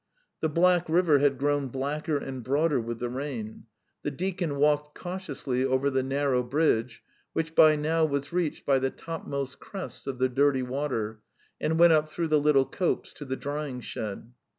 ... The Black River had grown blacker and broader with the rain. The deacon walked cautiously over the narrow bridge, which by now was reached by the topmost crests of the dirty water, and went up through the little copse to the drying shed.